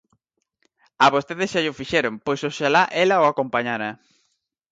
A vostede xa llo fixeron, pois oxalá ela o acompañara.